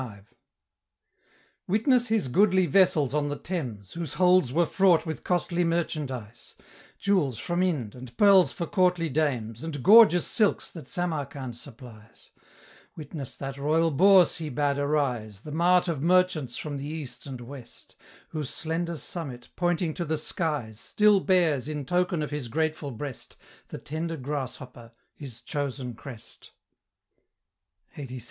LXXXV. "Witness his goodly vessels on the Thames, Whose holds were fraught with costly merchandise, Jewels from Ind, and pearls for courtly dames, And gorgeous silks that Samarcand supplies: Witness that Royal Bourse he bade arise, The mart of merchants from the East and West: Whose slender summit, pointing to the skies, Still bears, in token of his grateful breast, The tender grasshopper, his chosen crest " LXXXVI.